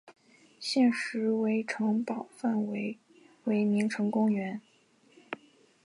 现时为城堡范围为名城公园。